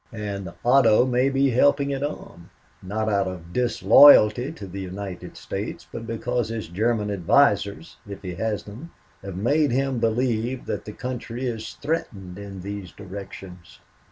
And Otto may be helping it on, not out of disloyalty to the United States but because his German advisers if he has them have made him believe that the country is threatened in these directions.